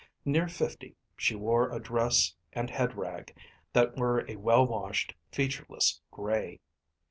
Near fifty, she wore a dress and head rag, that were a well washed, featureless gray.